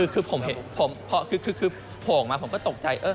คือผมเห็นพอออกมาผมก็ตกใจ